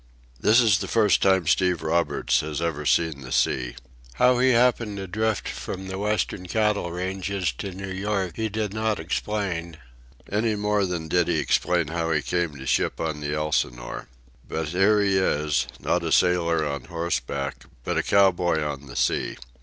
This is the first time Steve Roberts has ever seen the sea. How he happened to drift from the western cattle ranges to New York he did not explain, any more than did he explain how he came to ship on the Elsinore. But here he is, not a sailor on horseback, but a cowboy on the sea.